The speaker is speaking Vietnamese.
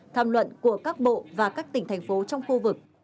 tham luận của các bộ và các tỉnh thành phố trong khu vực